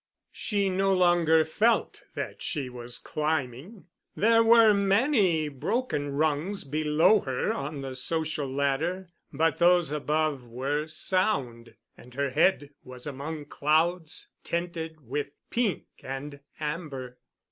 She no longer felt that she was climbing. There were many broken rungs below her on the social ladder, but those above were sound, and her head was among clouds tinted with pink and amber.